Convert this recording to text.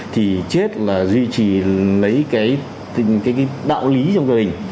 thì chết là duy trì lấy cái đạo lý trong gia đình